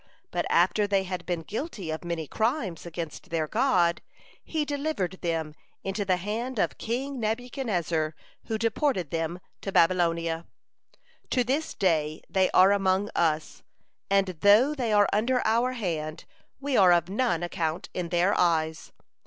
But after they had been guilty of many crimes against their God, He delivered them into the hand of King Nebuchadnezzar, who deported them to Babylonia. "'To this day they are among us, and though they are under our hand, we are of none account in their eyes.